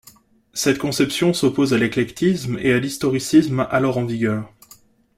Cette conception s'oppose à l'éclectisme et à l'historicisme alors en vigueur.